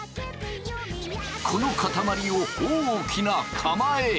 この塊を大きな釜へ。